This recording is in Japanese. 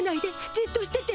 じっとしてて。